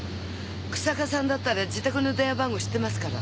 日下さんだったら自宅の電話番号知ってますから。